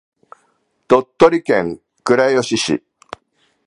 鳥取県倉吉市